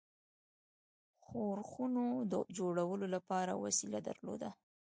ښورښونو د جوړولو لپاره وسیله درلوده.